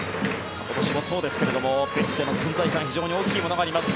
今年もそうですがベンチでの存在感非常に大きいものがあります。